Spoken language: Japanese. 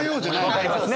分かりますね。